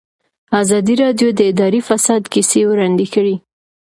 ازادي راډیو د اداري فساد کیسې وړاندې کړي.